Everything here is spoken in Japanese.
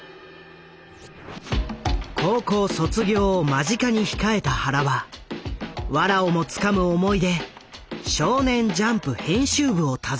高校卒業を間近に控えた原はわらをもつかむ思いで少年ジャンプ編集部を訪ねた。